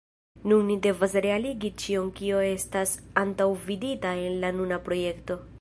Nun ni devas realigi ĉion kio estas antaŭvidita en la nuna projekto.